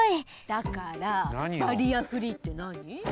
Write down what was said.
だからバリアフリーってなに？